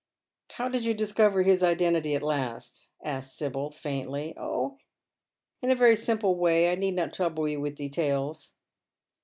"How did you discover his identity at last?" asks Sibyl, faintly. "Oh, in a very simple way. I need not trouble you with details."